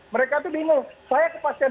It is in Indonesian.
mereka tuh bingung saya kepastian